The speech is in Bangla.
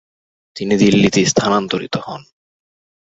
তিনি দিল্লিতে স্থানান্তরিত হন।